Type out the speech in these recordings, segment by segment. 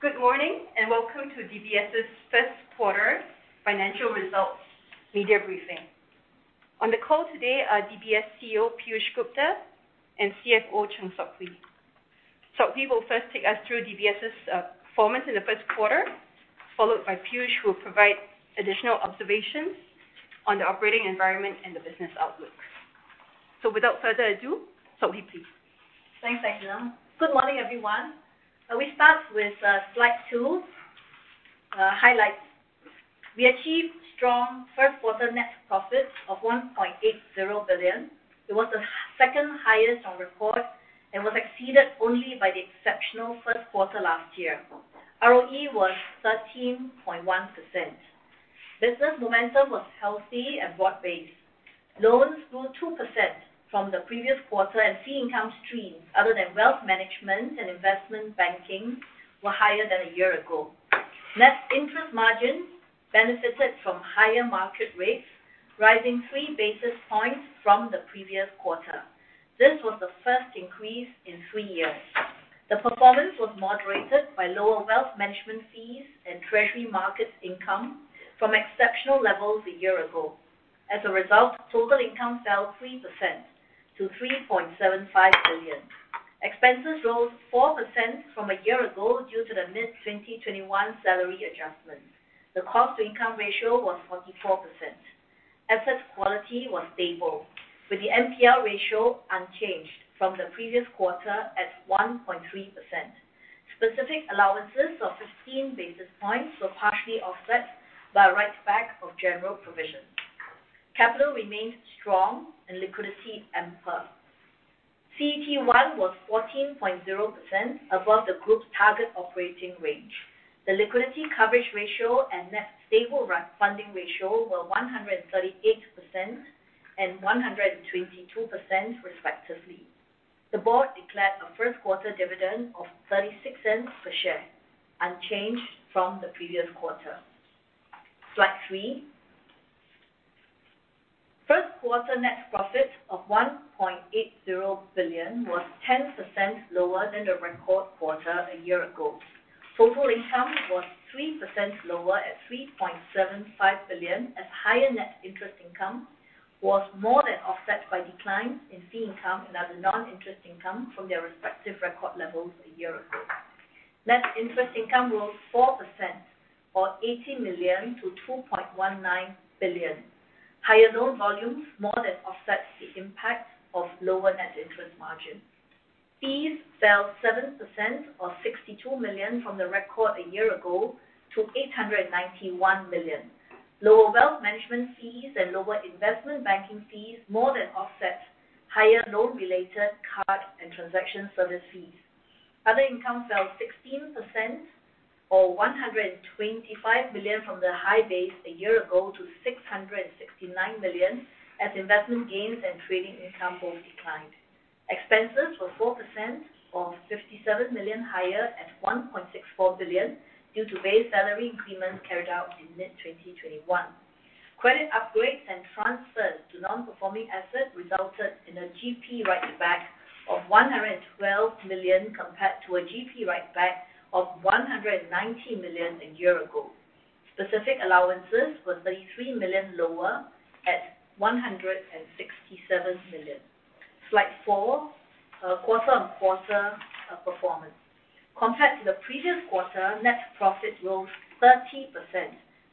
Good morning, and welcome to DBS's first quarter financial results media briefing. On the call today are DBS CEO Piyush Gupta and CFO Chng Sok Hui. Sok Hui will first take us through DBS's performance in the first quarter, followed by Piyush, who will provide additional observations on the operating environment and the business outlook. Without further ado, Sok Hui, please. Thanks, Angela. Good morning, everyone. We start with slide two, highlights. We achieved strong first quarter net profit of 1.80 billion. It was the second-highest on record and was exceeded only by the exceptional first quarter last year. ROE was 13.1%. Business momentum was healthy and broad-based. Loans grew 2% from the previous quarter, and fee income streams other than wealth management and investment banking were higher than a year ago. Net interest margin benefited from higher market rates, rising 3 basis points from the previous quarter. This was the first increase in three years. The performance was moderated by lower wealth management fees and treasury and markets income from exceptional levels a year ago. As a result, total income fell 3% to 3.75 billion. Expenses rose 4% from a year ago due to the mid-2021 salary adjustment. The cost-to-income ratio was 44%. Asset quality was stable, with the NPL ratio unchanged from the previous quarter at 1.3%. Specific allowances of 15 basis points were partially offset by a write-back of general provision. Capital remained strong and liquidity ample. CET1 was 14.0% above the group's target operating range. The liquidity coverage ratio and net stable funding ratio were 138% and 122%, respectively. The board declared a first-quarter dividend of 0.36 per share, unchanged from the previous quarter. Slide three. First quarter net profit of 1.80 billion was 10% lower than the record quarter a year ago. Total income was 3% lower at 3.75 billion, as higher net interest income was more than offset by declines in fee income and other non-interest income from their respective record levels a year ago. Net interest income rose 4%, or 80 million, to 2.19 billion. Higher loan volumes more than offsets the impact of lower net interest margin. Fees fell 7%, or 62 million, from the record a year ago to 891 million. Lower wealth management fees and lower investment banking fees more than offset higher loan-related card and transaction service fees. Other income fell 16%, or 125 million, from the high base a year ago to 669 million, as investment gains and trading income both declined. Expenses were 4%, or 57 million, higher at 1.64 billion due to base salary agreements carried out in mid-2021. Credit upgrades and transfers to non-performing assets resulted in a GP write-back of 112 million, compared to a GP write-back of 190 million a year ago. Specific allowances were 33 million lower, at 167 million. Slide four, quarter on quarter, performance. Compared to the previous quarter, net profit rose 30%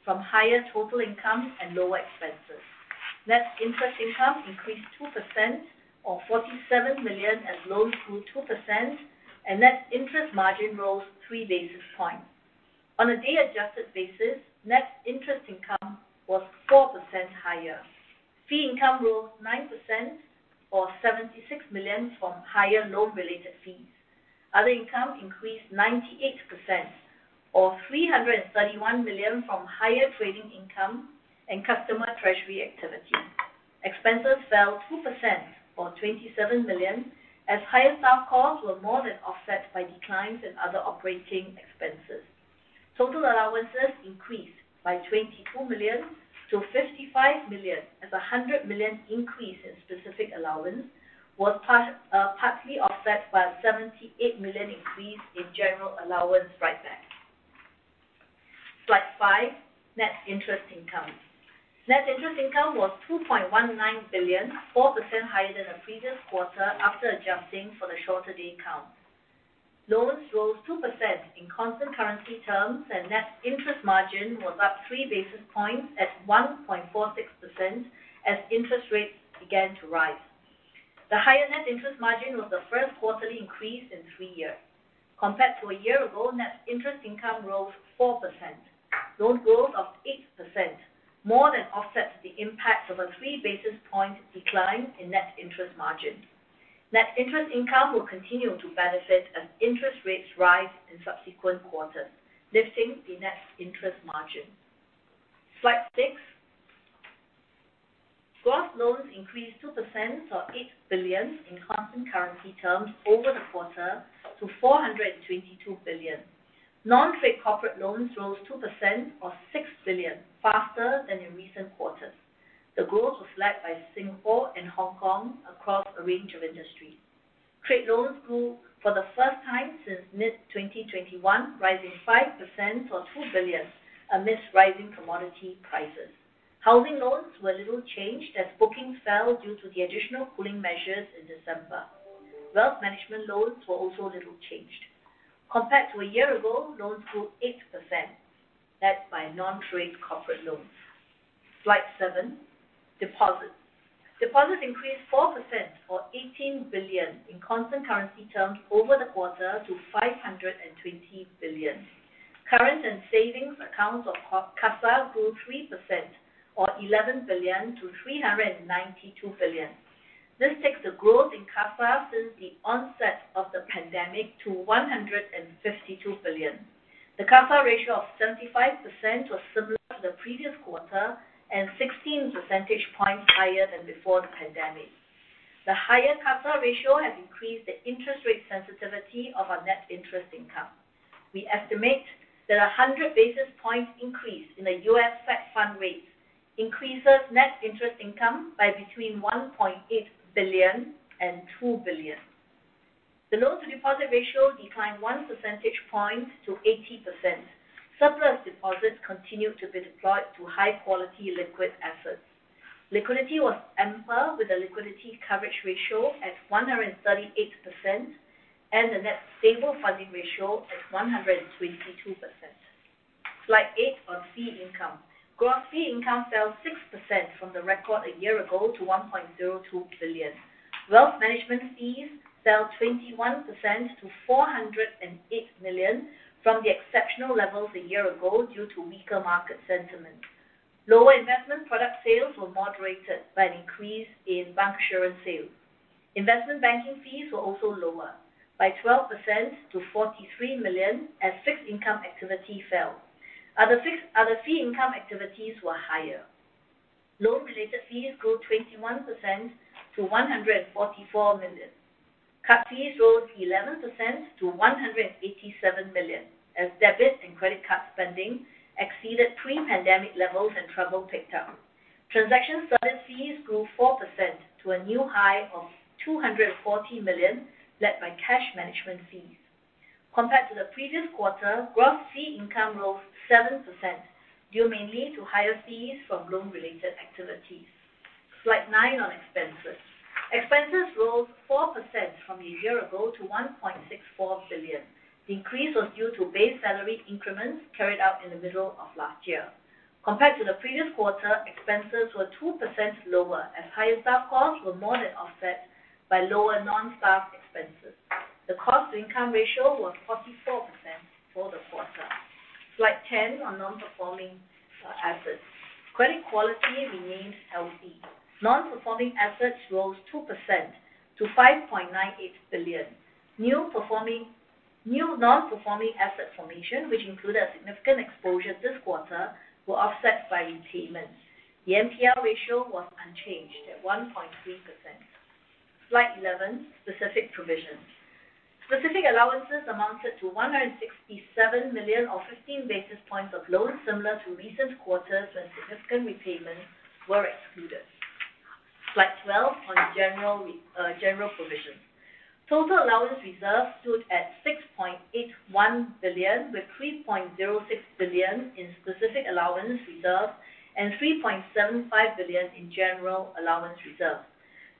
from higher total income and lower expenses. Net interest income increased 2%, or 47 million, as loans grew 2% and net interest margin rose three basis points. On a day adjusted basis, net interest income was 4% higher. Fee income rose 9%, or 76 million, from higher loan-related fees. Other income increased 98%, or 331 million from higher trading income and customer treasury activity. Expenses fell 2%, or 27 million, as higher staff costs were more than offset by declines in other operating expenses. Total allowances increased by 22 million to 55 million, as a 100 million increase in specific allowance was part, partly offset by a 78 million increase in general allowance write-back. Slide five, net interest income. Net interest income was 2.19 billion, 4% higher than the previous quarter, after adjusting for the shorter day count. Loans rose 2% in constant currency terms, and net interest margin was up three basis points at 1.46% as interest rates began to rise. The higher net interest margin was the first quarterly increase in three years. Compared to a year ago, net interest income rose 4%. Loan growth of 8% more than offsets the impact of a 3 basis point decline in net interest margin. Net interest income will continue to benefit as interest rates rise in subsequent quarters, lifting the net interest margin. Slide six. Gross loans increased 2%, or 8 billion, in constant currency terms over the quarter to 422 billion. Non-trade corporate loans rose 2%, or 6 billion, faster than in recent quarters. The growth was led by Singapore and Hong Kong across a range of industries. Trade loans grew for the first time since mid-2021, rising 5% or 2 billion amidst rising commodity prices. Housing loans were little changed as bookings fell due to the additional cooling measures in December. Wealth management loans were also little changed. Compared to a year ago, loans grew 8%, led by non-trade corporate loans. Slide seven, deposits. Deposits increased 4% or 18 billion in constant currency terms over the quarter to 520 billion. Current and savings accounts or CASA grew 3% or 11 billion to 392 billion. This takes the growth in CASA since the onset of the pandemic to 152 billion. The CASA ratio of 75% was similar to the previous quarter and 16 percentage points higher than before the pandemic. The higher CASA ratio has increased the interest rate sensitivity of our net interest income. We estimate that a 100 basis points increase in the U.S. federal funds rate increases net interest income by between SGD 1.8 billion and SGD 2 billion. The loan to deposit ratio declined 1 percentage point to 80%. Surplus deposits continued to be deployed to high quality liquid assets. Liquidity was ample with a liquidity coverage ratio at 138% and the net stable funding ratio at 122%. Slide eight on fee income. Gross fee income fell 6% from the record a year ago to 1.02 billion. Wealth management fees fell 21% to 408 million from the exceptional levels a year ago due to weaker market sentiment. Lower investment product sales were moderated by an increase in bank insurance sales. Investment banking fees were also lower by 12% to 43 million as fixed income activity fell. Other fee income activities were higher. Loan related fees grew 21% to 144 million. Card fees rose 11% to 187 million as debit and credit card spending exceeded pre-pandemic levels and travel picked up. Transaction service fees grew 4% to a new high of 240 million, led by cash management fees. Compared to the previous quarter, gross fee income rose 7% due mainly to higher fees from loan related activities. Slide nine on expenses. Expenses rose 4% from a year ago to 1.64 billion. The increase was due to base salary increments carried out in the middle of last year. Compared to the previous quarter, expenses were 2% lower as higher staff costs were more than offset by lower non-staff expenses. The cost to income ratio was 44% for the quarter. Slide 10 on non-performing assets. Credit quality remains healthy. Non-performing assets rose 2% to 5.98 billion. New non-performing asset formation, which included a significant exposure this quarter, were offset by repayments. The NPL ratio was unchanged at 1.3%. Slide eleven, specific provisions. Specific allowances amounted to 167 million or 15 basis points of loans similar to recent quarters when significant repayments were excluded. Slide twelve on general provisions. Total allowance reserve stood at 6.81 billion, with 3.06 billion in specific allowance reserve and 3.75 billion in general allowance reserve.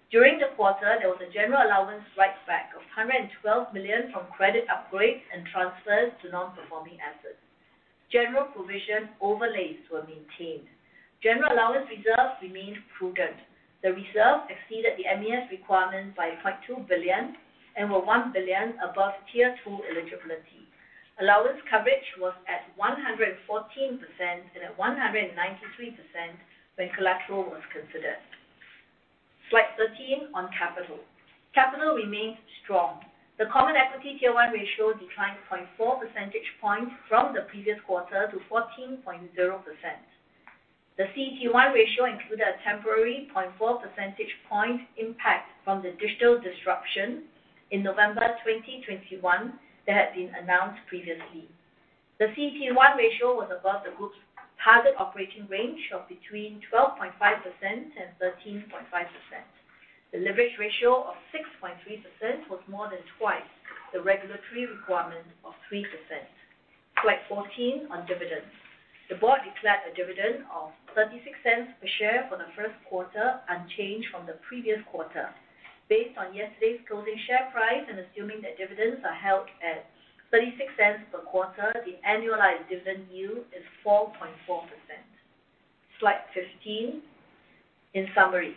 During the quarter, there was a general allowance write back of 112 million from credit upgrades and transfers to non-performing assets. General provision overlays were maintained. General allowance reserves remained prudent. The reserve exceeded the MAS requirement by 0.2 billion and was 1 billion above Tier 2 eligibility. Allowance coverage was at 114% and at 193% when collateral was considered. Slide 13 on capital. Capital remains strong. The common equity Tier 1 ratio declined 0.4 percentage points from the previous quarter to 14.0%. The CET1 ratio included a temporary 0.4 percentage point impact from the digital disruption in November 2021 that had been announced previously. The CET1 ratio was above the group's target operating range of between 12.5% and 13.5%. The leverage ratio of 6.3% was more than twice the regulatory requirement of 3%. Slide 14 on dividends. The board declared a dividend of 0.36 per share for the first quarter, unchanged from the previous quarter. Based on yesterday's closing share price and assuming that dividends are held at 0.36 per quarter, the annualized dividend yield is 4.4%. Slide 15. In summary,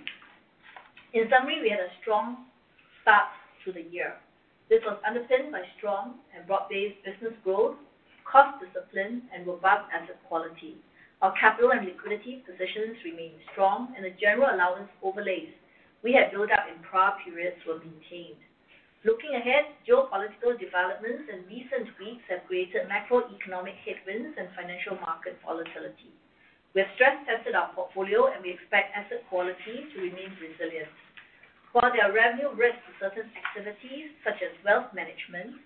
we had a strong start to the year. This was underpinned by strong and broad-based business growth, cost discipline and robust asset quality. Our capital and liquidity positions remain strong and the general allowance overlays we had built up in prior periods were maintained. Looking ahead, geopolitical developments in recent weeks have created macroeconomic headwinds and financial market volatility. We have stress tested our portfolio and we expect asset quality to remain resilient. While there are revenue risks to certain activities such as wealth management,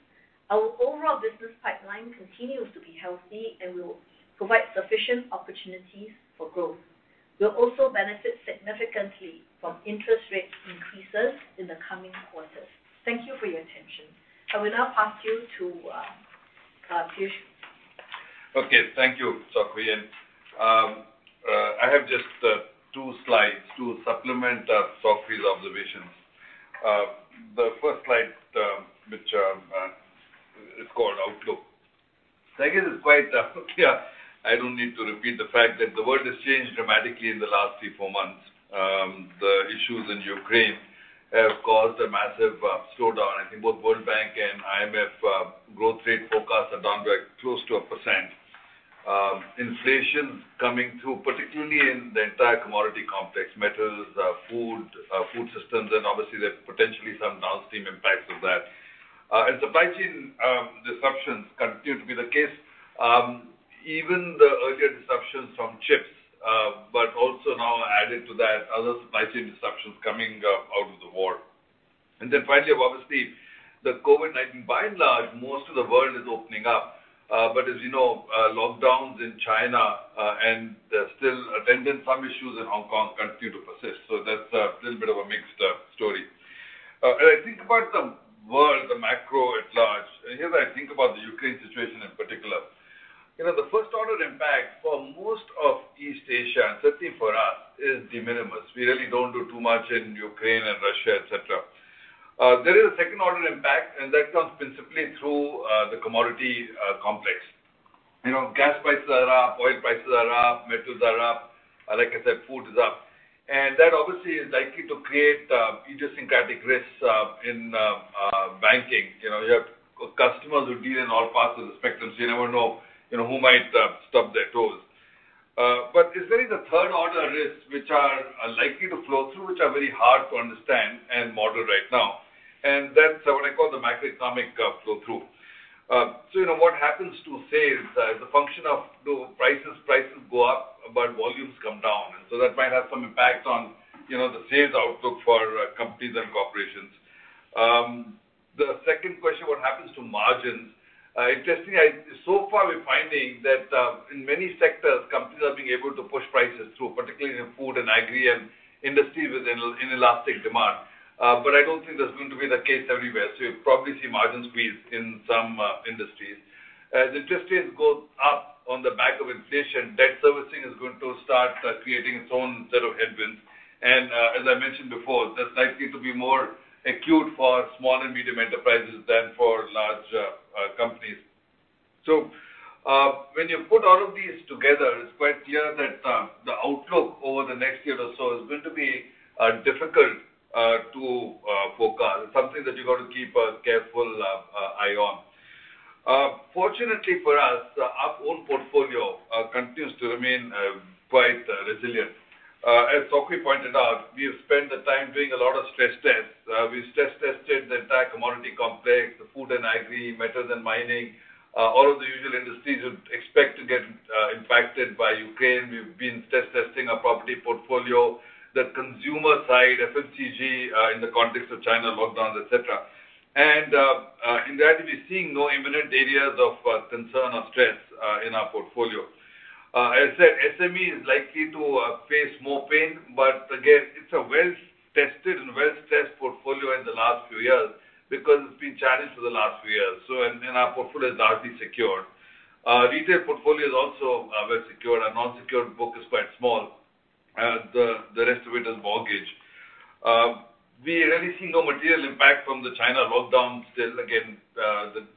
our overall business pipeline continues to be healthy and will provide sufficient opportunities for growth. We'll also benefit significantly from interest rate increases in the coming quarters. Thank you for your attention. I will now pass you to Piyush. Okay, thank you, Sok Hui. I have just two slides to supplement Sok Hui's observations. The first slide, which is called Outlook. I guess it's quite, yeah, I don't need to repeat the fact that the world has changed dramatically in the last three to four months. The issues in Ukraine have caused a massive slowdown. I think both World Bank and IMF growth rate forecasts are down by close to 1%. Inflation coming through, particularly in the entire commodity complex, metals, food systems, and obviously there's potentially some downstream impacts of that. Supply chain disruptions continue to be the case. Even the earlier disruptions from chips, but also now added to that other supply chain disruptions coming out of the war. Finally, obviously, the COVID-19, by and large, most of the world is opening up. As you know, lockdowns in China, and there's still some attendant issues in Hong Kong continue to persist. That's a little bit of a mixed story. I think about the world, the macro at large, and here I think about the Ukraine situation in particular. You know, the first order impact for most of East Asia, and certainly for us, is de minimis. We really don't do too much in Ukraine and Russia, et cetera. There is a second order impact, and that comes principally through the commodity complex. You know, gas prices are up, oil prices are up, metals are up, like I said, food is up. That obviously is likely to create idiosyncratic risks in banking. You know, you have customers who deal in all parts of the spectrum, so you never know, you know, who might stub their toes. It's really the third order risks which are likely to flow through, which are very hard to understand and model right now. That's what I call the macroeconomic flow through. You know, what happens to sales as a function of, you know, prices go up, but volumes come down. That might have some impacts on, you know, the sales outlook for, companies and corporations. The second question, what happens to margins? Interestingly,... So far we're finding that in many sectors, companies are being able to push prices through, particularly in food and agri and industries with inelastic demand. I don't think that's going to be the case everywhere. You'll probably see margin squeeze in some industries. As interest rates goes up on the back of inflation, debt servicing is going to start creating its own set of headwinds. As I mentioned before, that's likely to be more acute for small and medium enterprises than for large companies. When you put all of these together, it's quite clear that the outlook over the next year or so is going to be difficult to forecast. It's something that you've got to keep a careful eye on. Fortunately for us, our own portfolio continues to remain quite resilient. As Sok Hui pointed out, we have spent the time doing a lot of stress tests. We've stress tested the entire commodity complex, the food and agri, metals and mining, all of the usual industries you'd expect to get impacted by Ukraine. We've been stress testing our property portfolio, the consumer side, FMCG, in the context of China lockdowns, et cetera. In that, we're seeing no imminent areas of concern or stress in our portfolio. As said, SME is likely to face more pain, but again, it's a well-tested and well-stressed portfolio in the last few years because it's been challenged for the last few years. Our portfolio is largely secured. Retail portfolio is also well secured. Our non-secured book is quite small. The rest of it is mortgage. We really see no material impact from the China lockdown still again,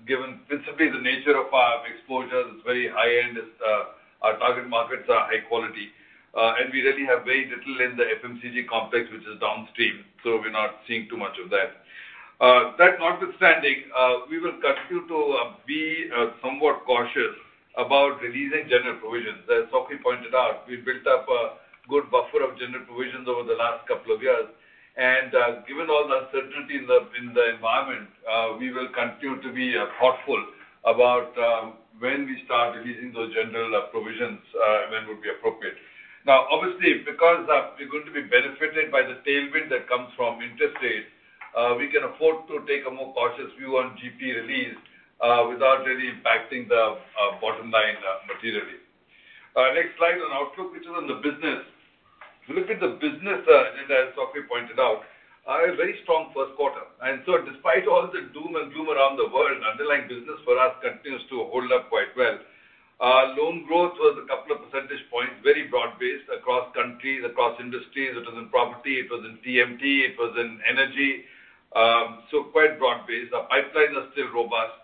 given principally the nature of our exposures, it's very high-end. It's our target markets are high quality. We really have very little in the FMCG complex, which is downstream. So we're not seeing too much of that. That notwithstanding, we will continue to be somewhat cautious about releasing general provisions. As Sok Hui pointed out, we've built up a good buffer of general provisions over the last couple of years. Given all the uncertainty in the environment, we will continue to be thoughtful about when we start releasing those general provisions and when would be appropriate. Now, obviously, because we're going to be benefited by the tailwind that comes from interest rates, we can afford to take a more cautious view on GP release, without really impacting the bottom line materially. Next slide on outlook, which is on the business. If you look at the business, and as Sok Hui pointed out, a very strong first quarter. Despite all the doom and gloom around the world, underlying business for us continues to hold up quite well. Loan growth was 2 percentage points, very broad-based across countries, across industries. It was in property, it was in TMT, it was in energy. So quite broad-based. Our pipelines are still robust.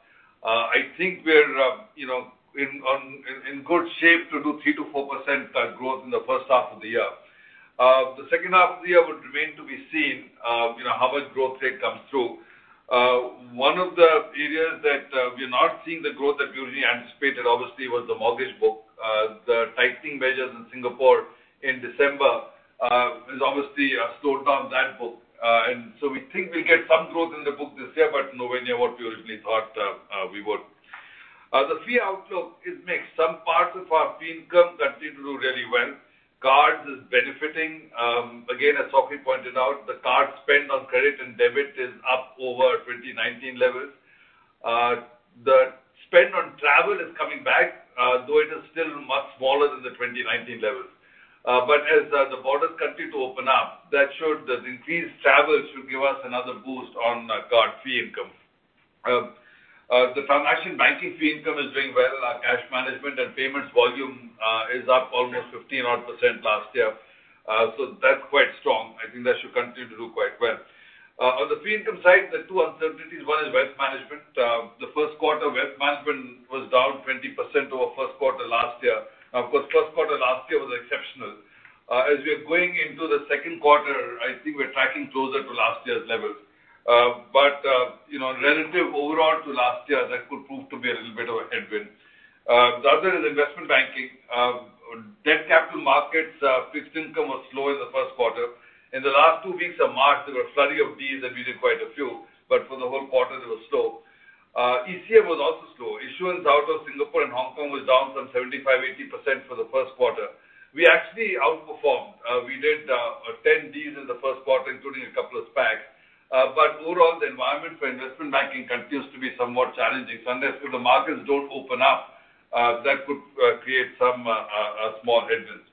I think we're you know in good shape to do 3%-4% growth in the first half of the year. The second half of the year would remain to be seen you know how much growth rate comes through. One of the areas that we're not seeing the growth that we originally anticipated obviously was the mortgage book. The tightening measures in Singapore in December has obviously slowed down that book. We think we'll get some growth in the book this year, but nowhere near what we originally thought we would. The fee outlook is mixed. Some parts of our fee income continue to do really well. Cards is benefiting. Again, as Sok Hui pointed out, the card spend on credit and debit is up over 2019 levels. The spend on travel is coming back, though it is still much smaller than the 2019 levels. As the borders continue to open up, the increased travel should give us another boost on card fee income. The transaction banking fee income is doing well, and our cash management and payments volume is up almost 15% last year. That's quite strong. I think that should continue to do quite well. On the fee income side, there are two uncertainties. One is wealth management. The first quarter wealth management was down 20% over first quarter last year. Of course, first quarter last year was exceptional. As we are going into the second quarter, I think we're tracking closer to last year's levels. You know, relative overall to last year, that could prove to be a little bit of a headwind. The other is investment banking. Debt capital markets, fixed income was slow in the first quarter. In the last two weeks of March, there were a flurry of deals, and we did quite a few, but for the whole quarter it was slow. ECM was also slow. Issuance out of Singapore and Hong Kong was down some 75%-80% for the first quarter. We actually outperformed. We did 10 deals in the first quarter, including a couple of SPACs. Overall, the environment for investment banking continues to be somewhat challenging, so unless, sort of, markets don't open up, that could create some small headwinds.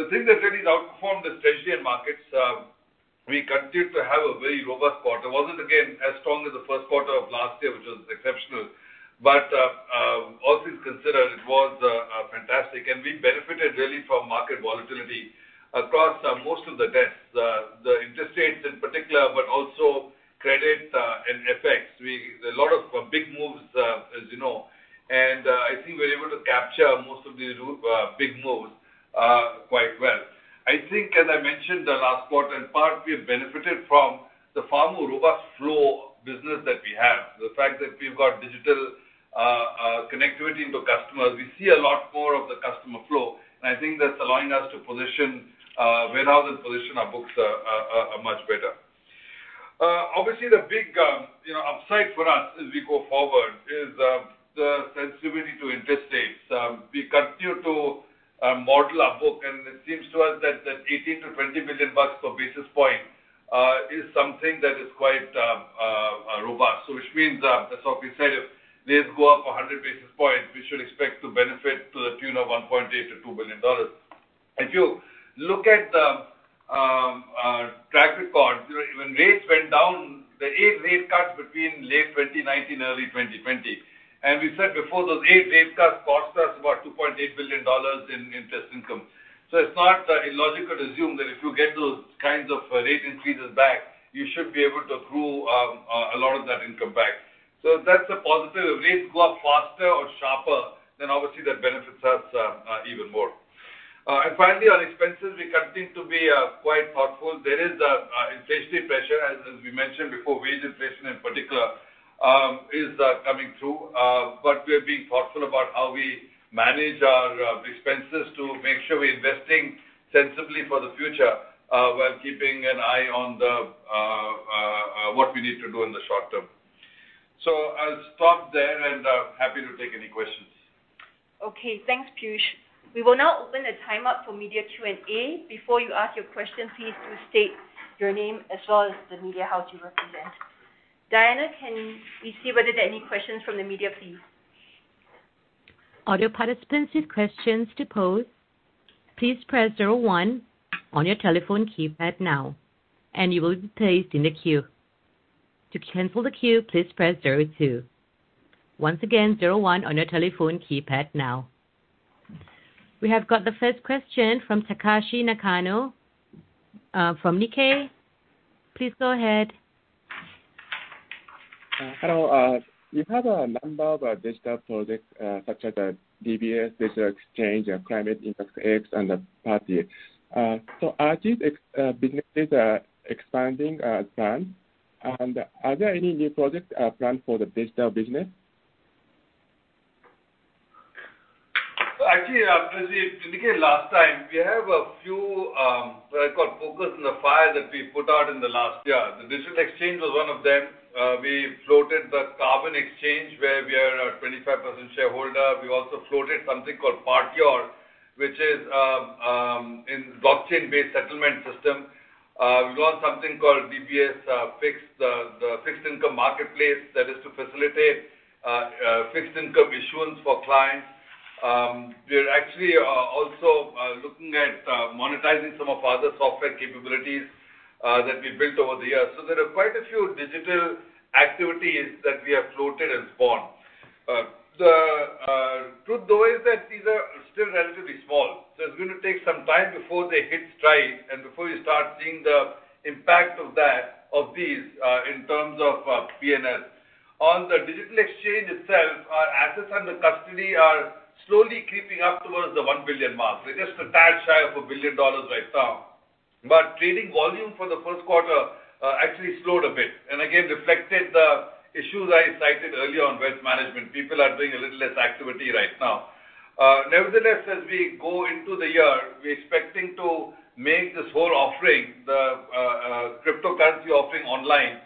The thing that really outperformed is treasury and markets. We continued to have a very robust quarter. It wasn't, again, as strong as the first quarter of last year, which was exceptional, but all things considered, it was fantastic. We benefited really from market volatility across most of the desks. The interest rates in particular, but also credit and FX. A lot of big moves, as you know, and I think we're able to capture most of these big moves quite well. I think, as I mentioned the last quarter, in part we've benefited from the far more robust flow business that we have. The fact that we've got digital connectivity into customers, we see a lot more of the customer flow, and I think that's allowing us to position well rather than position our books much better. Obviously the big, you know, upside for us as we go forward is the sensitivity to interest rates. We continue to model our book, and it seems to us that 18 million-20 million bucks per basis point is something that is quite robust. Which means that, as Sok Hui said, if rates go up 100 basis points, we should expect to benefit to the tune of 1.8 billion-2 billion dollars. If you look at the track record, when rates went down, the eight rate cuts between late 2019, early 2020, and we said before, those eight rate cuts cost us about 2.8 billion dollars in interest income. It's not that illogical to assume that if you get those kinds of rate increases back, you should be able to accrue a lot of that income back. That's a positive. If rates go up faster or sharper, then obviously that benefits us even more. Finally on expenses, we continue to be quite thoughtful. There is inflationary pressure, as we mentioned before, wage inflation in particular is coming through. We're being thoughtful about how we manage our expenses to make sure we're investing sensibly for the future, while keeping an eye on the what we need to do in the short term. I'll stop there and happy to take any questions. Okay, thanks, Piyush. We will now open the time up for media Q and A. Before you ask your question, please state your name as well as the media house you represent. Diana, can we see whether there are any questions from the media, please? All you participants with questions to pose, please press zero one on your telephone keypad now and you will be placed in the queue. To cancel the queue, please press zero two. Once again, zero one on your telephone keypad now. We have got the first question from Takashi Nakano from Nikkei. Please go ahead. Hello. You have a number of digital projects, such as DBS Digital Exchange, Climate Impact X, and Partior. Are these businesses expanding as planned? Are there any new projects planned for the digital business? Well, actually, as we indicated last time, we have a few, what I call focus on the fires that we put out in the last year. The DBS Digital Exchange was one of them. We floated Climate Impact X where we are a 25% shareholder. We also floated something called Partior, which is a blockchain-based settlement system. We've launched something called DBS FIX Marketplace, that is to facilitate fixed income issuance for clients. We're actually also looking at monetizing some of our other software capabilities that we built over the years. There are quite a few digital activities that we have floated and spawned. The truth though is that these are still relatively small, so it's going to take some time before they hit stride and before we start seeing the impact of that, of these, in terms of P&L. On the DBS Digital Exchange itself, our assets under custody are slowly creeping up towards the $1 billion mark. We're just a tad shy of $1 billion right now. Trading volume for the first quarter actually slowed a bit, and again, reflected the issues I cited earlier on wealth management. People are doing a little less activity right now. Nevertheless, as we go into the year, we're expecting to make this whole offering online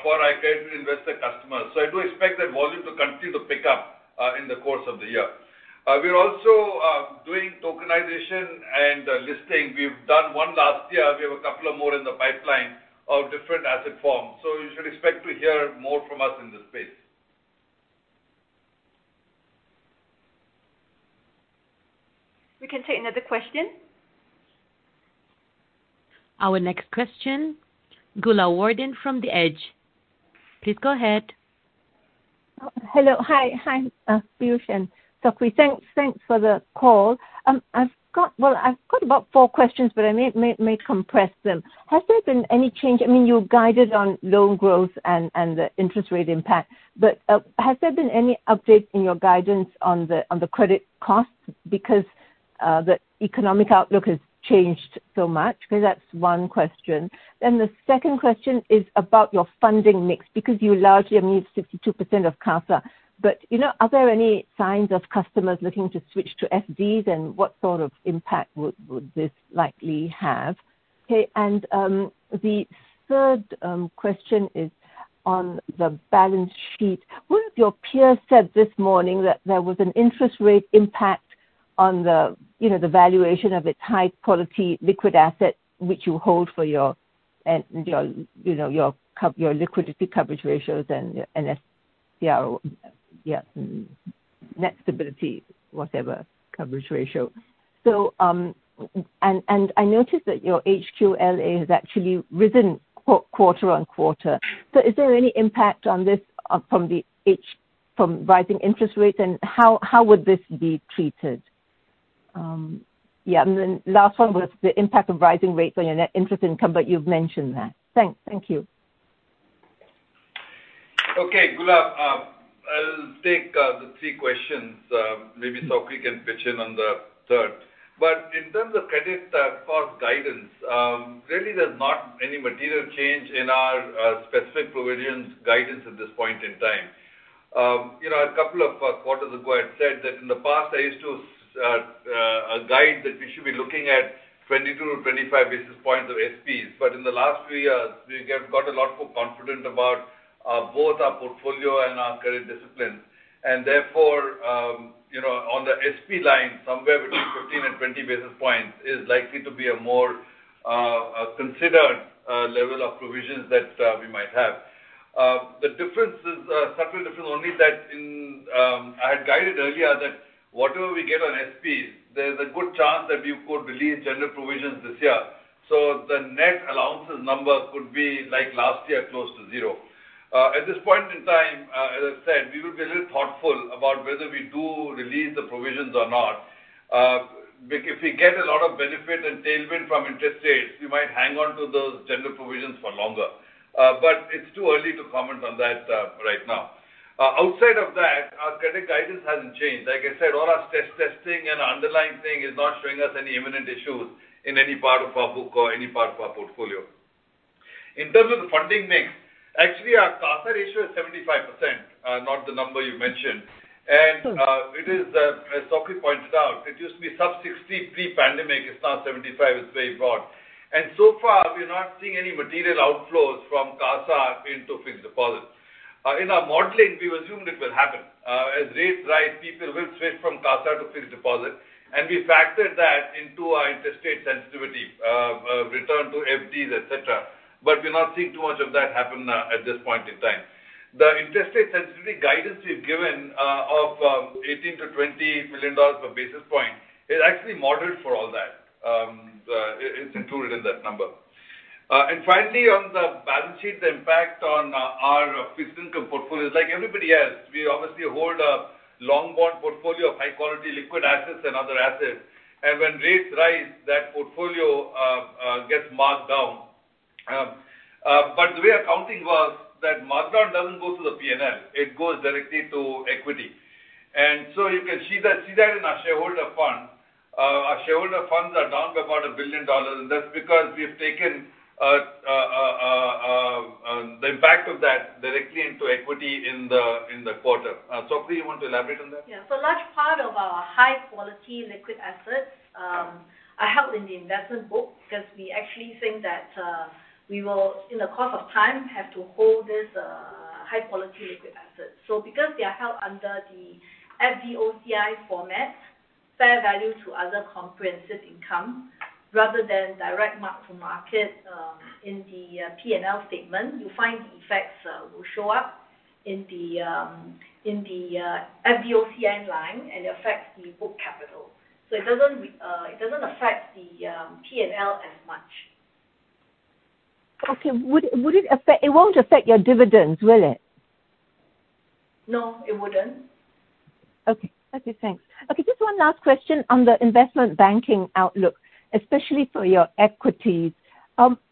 for our accredited investor customers. I do expect that volume to continue to pick up in the course of the year. We are also doing tokenization and listing. We've done one last year. We have a couple of more in the pipeline of different asset forms, so you should expect to hear more from us in this space. We can take another question. Our next question, Goola Warden from The Edge. Please go ahead. Hello. Hi. Hi, Piyush and Sok Hui. Thanks for the call. I've got about four questions, but I may compress them. Has there been any change? I mean, you guided on loan growth and the interest rate impact. Has there been any update in your guidance on the credit costs because the economic outlook has changed so much? Okay, that's one question. The second question is about your funding mix, because you largely have 62% CASA. You know, are there any signs of customers looking to switch to FDs, and what sort of impact would this likely have? Okay. The third question is on the balance sheet. One of your peers said this morning that there was an interest rate impact on the valuation of its high-quality liquid asset, which you hold for your liquidity coverage ratios and your NSFR, net stable funding ratio. I noticed that your HQLA has actually risen quarter-over-quarter. Is there any impact on this from rising interest rates, and how would this be treated? Then last one was the impact of rising rates on your net interest income, but you've mentioned that. Thanks. Thank you. Okay. Goola, I'll take the three questions. Maybe Sok Hui can pitch in on the third. In terms of credit loss guidance, really there's not any material change in our specific provisions guidance at this point in time. You know, a couple of quarters ago, I'd said that in the past, I used to guide that we should be looking at 22-25 basis points of SPs, but in the last three years, we have got a lot more confident about both our portfolio and our credit discipline. Therefore, you know, on the SP line, somewhere between 15 and 20 basis points is likely to be a more considered level of provisions that we might have. The difference is a subtle difference only that in I had guided earlier that whatever we get on SPs, there's a good chance that we could release general provisions this year, so the net allowances number could be like last year, close to zero. At this point in time, as I said, we will be a little thoughtful about whether we do release the provisions or not. If we get a lot of benefit and tailwind from interest rates, we might hang on to those general provisions for longer. It's too early to comment on that right now. Outside of that, our credit guidance hasn't changed. Like I said, all our stress testing and underlying testing is not showing us any imminent issues in any part of our book or any part of our portfolio. In terms of the funding mix, actually, our CASA ratio is 75%, not the number you mentioned. Mm-hmm. It is, as Sok Hui pointed out, it used to be sub-60 pre-pandemic. It's now 75. It's very broad. So far, we're not seeing any material outflows from CASA into fixed deposits. In our modeling, we assumed it will happen. As rates rise, people will switch from CASA to fixed deposit, and we factored that into our interest rate sensitivity, return to FDs, et cetera. But we're not seeing too much of that happen at this point in time. The interest rate sensitivity guidance we've given of 18 million-20 million dollars per basis point is actually modeled for all that. It's included in that number. Finally, on the balance sheet, the impact on our fixed income portfolio is like everybody else. We obviously hold a long bond portfolio of high-quality liquid assets and other assets. When rates rise, that portfolio gets marked down. The way accounting works, that mark down doesn't go to the P&L. It goes directly to equity. You can see that in our shareholder fund. Our shareholder funds are down by about 1 billion dollars, and that's because we have taken the impact of that directly into equity in the quarter. Sok Hui, you want to elaborate on that? Yeah. Large part of our high-quality liquid assets are held in the investment book because we actually think that we will, in the course of time, have to hold this high-quality liquid assets. Because they are held under the FVOCI format, Fair Value through Other Comprehensive Income, rather than direct mark-to-market in the P&L statement, you'll find the effects will show up in the FVOCI line and affect the book capital. It doesn't affect the P&L as much. Okay. It won't affect your dividends, will it? No, it wouldn't. Okay, thanks. Just one last question on the investment banking outlook, especially for your equities.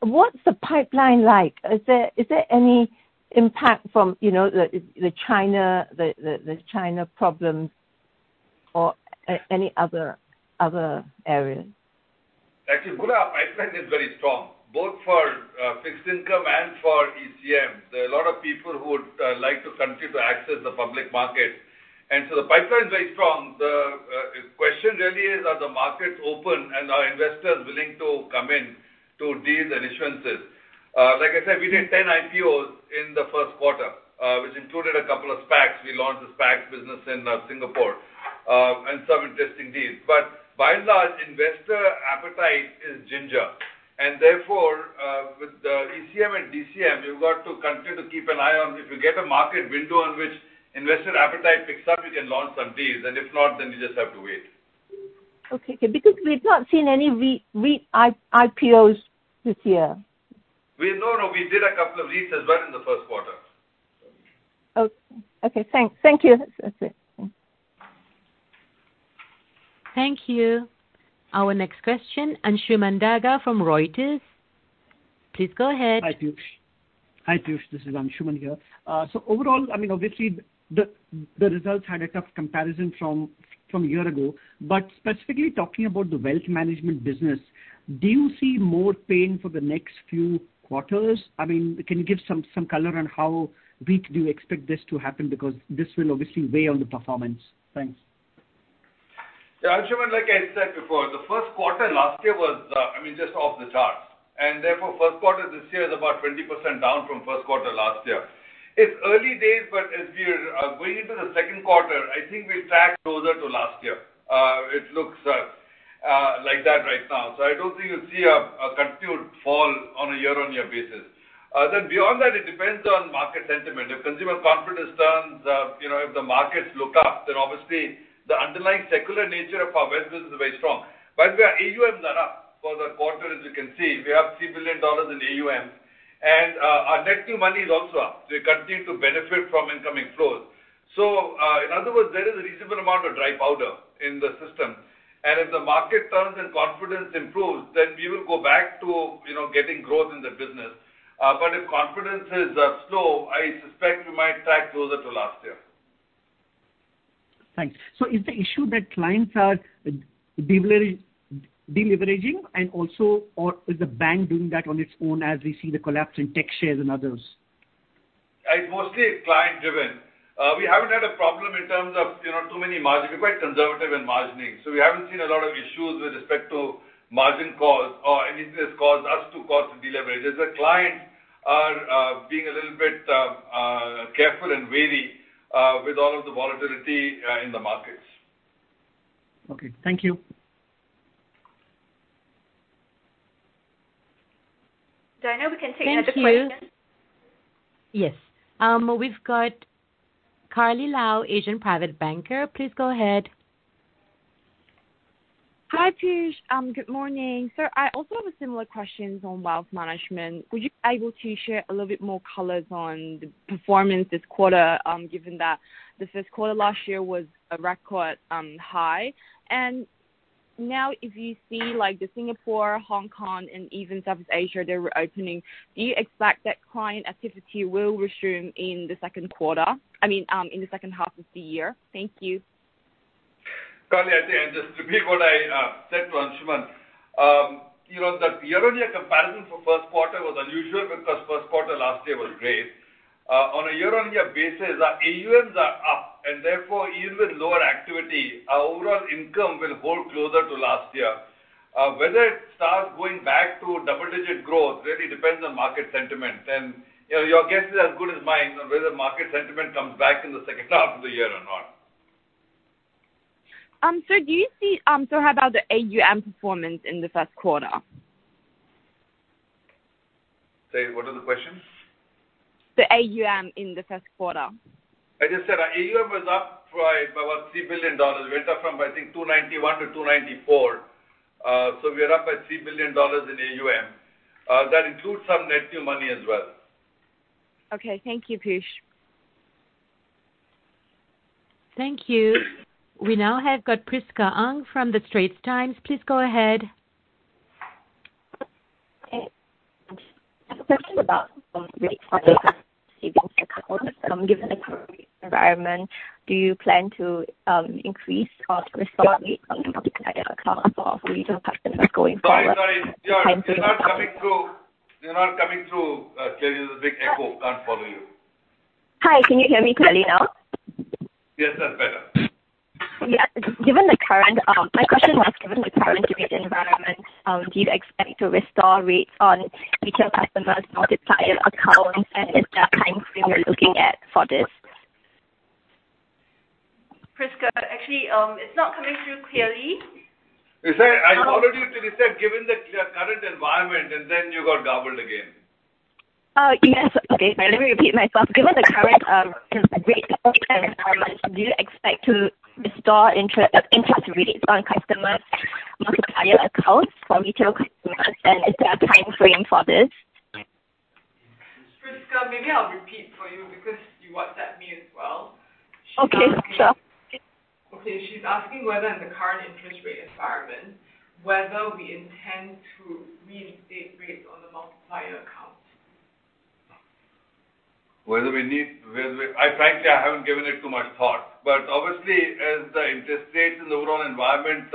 What's the pipeline like? Is there any impact from, you know, the China problem or any other areas? Actually, Goola, our pipeline is very strong, both for fixed income and for ECM. There are a lot of people who would like to continue to access the public market. The pipeline is very strong. The question really is, are the markets open and are investors willing to come in to deals and issuances? Like I said, we did 10 IPOs in the first quarter, which included a couple of SPACs. We launched the SPAC business in Singapore and some interesting deals. By and large, investor appetite is meager. With the ECM and DCM, we've got to continue to keep an eye on. If we get a market window in which investor appetite picks up, we can launch some deals, and if not, then we just have to wait. Okay. Because we've not seen any REIT IPOs this year. We did a couple of REITs as well in the first quarter. Oh, okay. Thanks. Thank you. That's it. Thanks. Thank you. Our next question, Anshuman Daga from Reuters. Please go ahead. Hi, Piyush. This is Anshuman here. So overall, I mean, obviously the results had a tough comparison from a year ago. Specifically talking about the wealth management business, do you see more pain for the next few quarters? I mean, can you give some color on how weak do you expect this to happen? Because this will obviously weigh on the performance. Thanks. Yeah, Anshuman, like I said before, the first quarter last year was, I mean, just off the charts, and therefore first quarter this year is about 20% down from first quarter last year. It's early days, but as we are going into the second quarter, I think we'll track closer to last year. It looks like that right now. I don't think you'll see a continued fall on a year-on-year basis. Then beyond that, it depends on market sentiment. If consumer confidence turns, you know, if the markets look up, then obviously the underlying secular nature of our wealth business is very strong. By the way, AUMs are up for the quarter. As you can see, we have 3 billion dollars in AUM, and our net new money is also up. We continue to benefit from incoming flows. In other words, there is a reasonable amount of dry powder in the system. If the market turns and confidence improves, then we will go back to, you know, getting growth in the business. If confidence is slow, I suspect we might track closer to last year. Thanks. Is the issue that clients are deleveraging and also or is the bank doing that on its own as we see the collapse in tech shares and others? It's mostly client driven. We haven't had a problem in terms of, you know, too many margins. We're quite conservative in margining, so we haven't seen a lot of issues with respect to margin calls or anything that's caused us to cause deleverage. As the clients are being a little bit careful and wary with all of the volatility in the markets. Okay. Thank you. I know we can take another question. Thank you. Yes. We've got Carly Lau, Asian Private Banker. Please go ahead. Hi, Piyush. Good morning. Sir, I also have a similar question on wealth management. Would you be able to share a little bit more color on the performance this quarter, given that the first quarter last year was a record high? Now if you see like the Singapore, Hong Kong and even South Asia, they're opening, do you expect that client activity will resume in the second quarter, I mean, in the second half of the year? Thank you. Carly, I think just to repeat what I said to Anshuman, you know, the year-on-year comparison for first quarter was unusual because first quarter last year was great. On a year-on-year basis, our AUMs are up, and therefore, even with lower activity, our overall income will hold closer to last year. Whether it starts going back to double-digit growth really depends on market sentiment. You know, your guess is as good as mine on whether market sentiment comes back in the second half of the year or not. How about the AUM performance in the first quarter? Say, what is the question? The AUM in the first quarter. I just said our AUM was up by about $3 billion. We went up from, I think, $291 billion to $294 billion. We are up by $3 billion in AUM. That includes some net new money as well. Okay. Thank you, Piyush. Thank you. We now have got Prisca Ang from The Straits Times. Please go ahead. I have a question about savings account. Given the current environment, do you plan to increase or restore rates on the Multiplier Account for retail customers going forward? Sorry. You're not coming through clearly. There's a big echo. Can't follow you. Hi. Can you hear me clearly now? Yes, that's better. Yeah. My question was, given the current interest rate environment, do you expect to restore rates on retail customers' Multiplier Account, and is there a time frame you're looking at for this? Prisca, actually, it's not coming through clearly. I heard you till you said, "Given the current environment," and then you got garbled again. Oh, yes. Okay. Let me repeat myself. Given the current rate environment, do you expect to restore interest rates on customers' Multiplier Account for retail customers, and is there a time frame for this? Prisca, maybe I'll repeat for you because you WhatsApp me as well. Okay, sure. Okay. She's asking whether in the current interest rate environment, whether we intend to reinstate rates on the Multiplier Account. I frankly, I haven't given it too much thought. Obviously, as the interest rates and the overall environment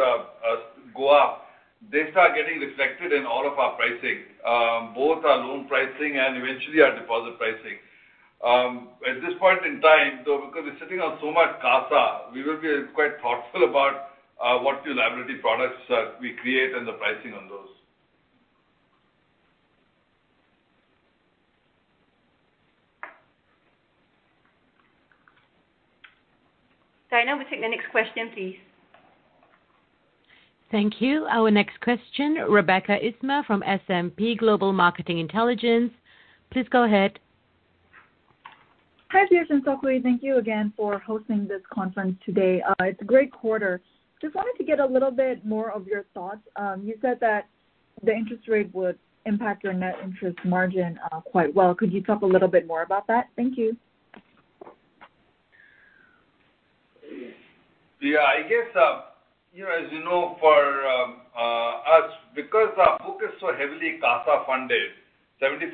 go up, they start getting reflected in all of our pricing, both our loan pricing and eventually our deposit pricing. At this point in time, though, because we're sitting on so much CASA, we will be quite thoughtful about what new liability products that we create and the pricing on those. Now we take the next question, please. Thank you. Our next question, Rebecca Isjwara from S&P Global Market Intelligence. Please go ahead. Hi, Piyush and Sok Hui. Thank you again for hosting this conference today. It's a great quarter. Just wanted to get a little bit more of your thoughts. You said that the interest rate would impact your net interest margin quite well. Could you talk a little bit more about that? Thank you. Yeah, I guess, you know, as you know, for us, because our book is so heavily CASA funded, 75%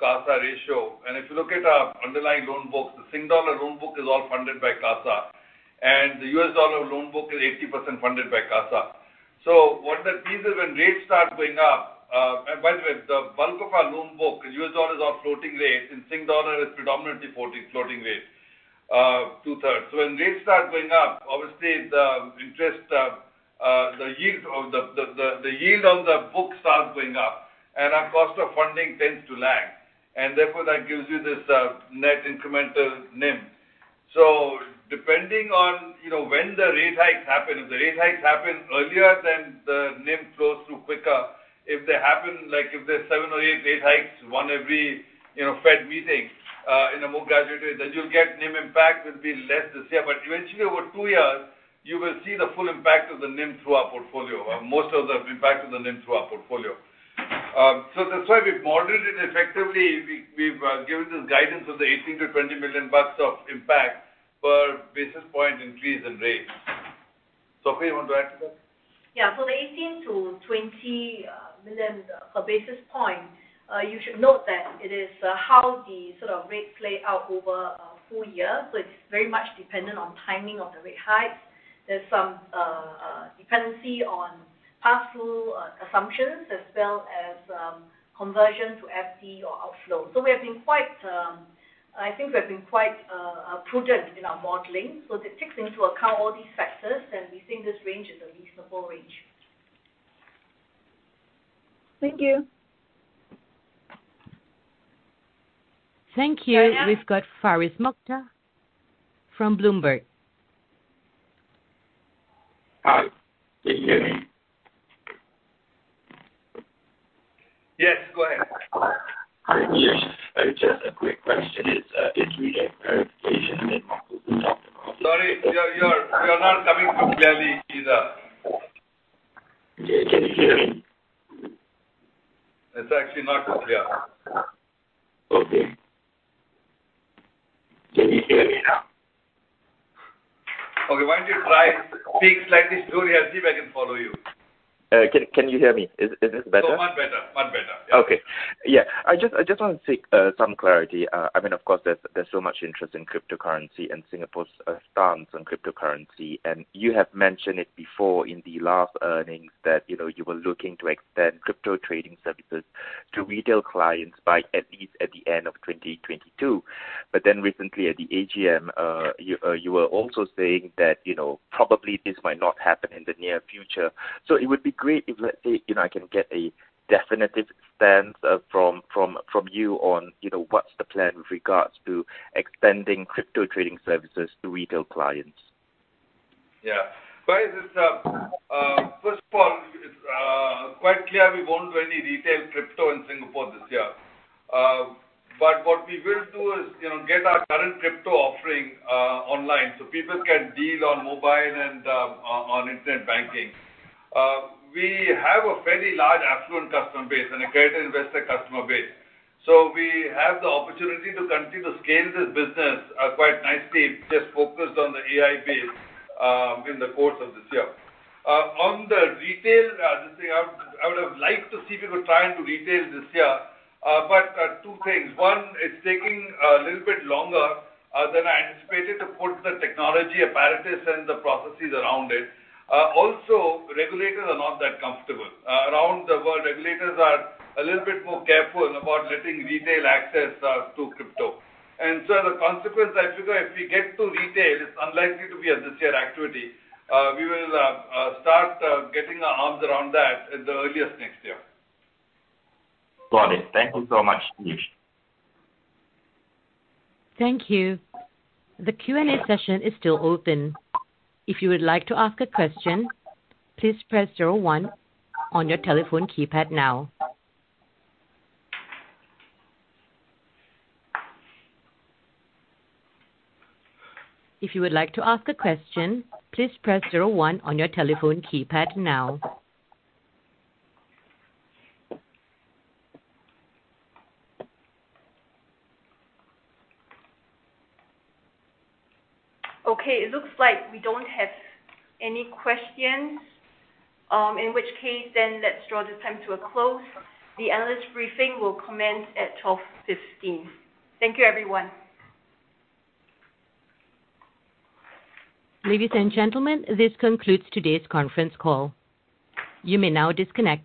CASA ratio, and if you look at our underlying loan book, the Singapore dollar loan book is all funded by CASA, and the U.S. dollar loan book is 80% funded by CASA. What that means is when rates start going up, and by the way, the bulk of our loan book, U.S. dollar is all floating rates, and Singapore dollar is predominantly floating rates, two-thirds. When rates start going up, obviously the yield on the book starts going up, and our cost of funding tends to lag. Therefore, that gives you this net incremental NIM. Depending on, you know, when the rate hikes happen, if the rate hikes happen earlier, then the NIM grows through quicker. If they happen, like, if there's seven or eiight rate hikes, one every, you know, Fed meeting, in a more graduated, then you'll get NIM impact will be less this year. But eventually, over two years, you will see the full impact of the NIM through our portfolio, or most of the impact of the NIM through our portfolio. That's why we've modeled it effectively. We've given this guidance of the $18 million-$20 million of impact per basis point increase in rates. Sok Hui, you want to add to that? Yeah. The 18-20 million per basis point, you should note that it is how the sort of rates play out over a full year. It's very much dependent on timing of the rate hikes. There's some dependency on pass-through assumptions as well as conversion to FD or outflow. We have been quite, I think, prudent in our modeling. It takes into account all these factors, and we think this range is a reasonable range. Thank you. Thank you. The next- We've got Faris Mokhtar from Bloomberg. Hi, can you hear me? Yes, go ahead. Hi, Piyush. Just a quick question. It's really a clarification and then. Sorry, you're not coming through clearly either. Yeah, can you hear me? It's actually not clear. Okay. Can you hear me now? Okay. Why don't you try speak slightly slower and see if I can follow you. Can you hear me? Is this better? Much better. Much better. Yeah. Okay. Yeah. I just wanna seek some clarity. I mean, of course there's so much interest in cryptocurrency and Singapore's stance on cryptocurrency, and you have mentioned it before in the last earnings that, you know, you were looking to extend crypto trading services to retail clients by at least at the end of 2022. Recently at the AGM, you were also saying that, you know, probably this might not happen in the near future. It would be great if let's say, you know, I can get a definitive stance from you on, you know, what's the plan with regards to extending crypto trading services to retail clients. Yeah. Faris, it's first of all quite clear we won't do any retail crypto in Singapore this year. But what we will do is, you know, get our current crypto offering online so people can deal on mobile and on internet banking. We have a fairly large affluent customer base and an accredited investor customer base. So we have the opportunity to continue to scale this business quite nicely, just focused on the AI base in the course of this year. On the retail, this thing, I would've liked to see people trying to retail this year, but there are two things. One, it's taking a little bit longer than I anticipated to put the technology apparatus and the processes around it. Also regulators are not that comfortable. Around the world, regulators are a little bit more careful about letting retail access to crypto. The consequence I figure if we get to retail, it's unlikely to be a this year activity. We will start getting our arms around that at the earliest next year. Got it. Thank you so much, Piyush. Thank you. The Q and A session is still open. If you would like to ask a question, please press zero one on your telephone keypad now. If you would like to ask a question, please press zero one on your telephone keypad now. Okay. It looks like we don't have any questions, in which case then let's draw this time to a close. The analyst briefing will commence at 12:15 P.M. Thank you, everyone. Ladies and gentlemen, this concludes today's conference call. You may now disconnect.